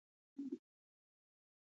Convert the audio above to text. پکتیکا زما ټاټوبی.